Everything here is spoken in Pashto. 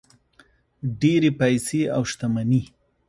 ډېرې پیسې او شتمني.